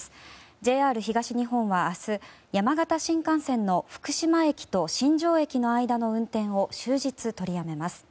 ＪＲ東日本は明日、山形新幹線の福島駅と新庄駅の間の運転を終日取りやめます。